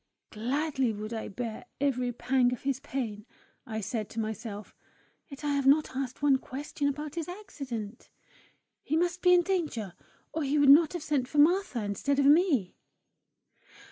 "Gladly would I bear every pang of his pain," I said to myself; "yet I have not asked one question about his accident! He must be in danger, or he would not have sent for Martha instead of me!"